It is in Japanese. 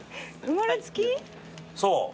そう。